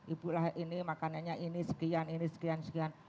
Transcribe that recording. ibulah ini makanannya ini sekian ini sekian sekian